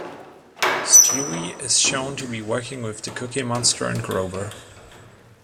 Stewie is shown to be working with the Cookie Monster and Grover.